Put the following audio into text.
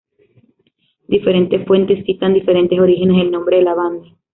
Diferentes fuentes citan diferentes orígenes del nombre de la banda.